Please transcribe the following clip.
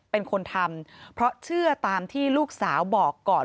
เป็นคนทำเพราะเชื่อตามที่ลูกสาวบอกก่อน